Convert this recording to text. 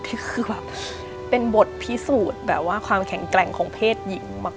ที่คือแบบเป็นบทพิสูจน์แบบว่าความแข็งแกร่งของเพศหญิงมาก